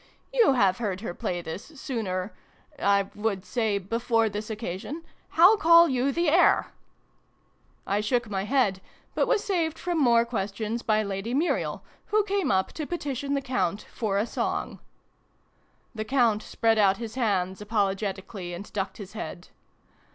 "You have heard her play this, sooner I would say ' before this occasion '? How call you the air ?" I shook my head ; but was saved from more questions by Lady Muriel, who came up to petition the Count for a song. The Count spread out his hands apologeti cally, and ducked his head.